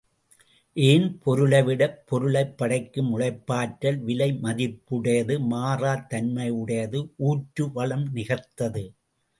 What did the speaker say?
ஏன் பொருளைவிடப் பொருளைப் படைக்கும் உழைப்பாற்றல் விலை மதிப்புடையது மாறாத் தன்மையுடையது ஊற்று வளம் நிகர்த்தது.